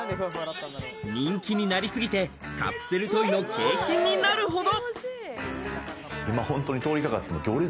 人気になりすぎて、カプセルトイの景品になるほど。